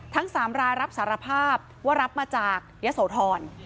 ทั้ง๓รายรับสารภาพว่ารับมาจากยะโสธร